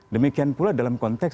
demikian pula dalam konteks